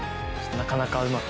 なかなか。